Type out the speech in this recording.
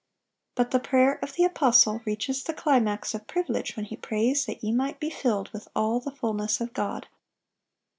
But the prayer of the apostle reaches the climax of privilege when he prays that "ye might be filled with all the fulness of God."